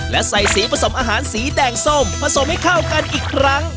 และใส่สีผสมอาหารสีแดงส้มผสมให้เข้ากันอีกครั้ง